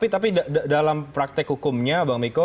tapi dalam praktek hukumnya